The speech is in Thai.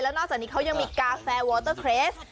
นอกจากนี้เขายังมีกาแฟวอเตอร์เทรส